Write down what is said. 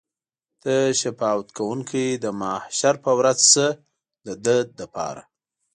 ته شفاعت کوونکی د محشر په ورځ شه د ده لپاره.